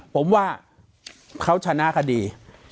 ผมว่าเขาชนะคดี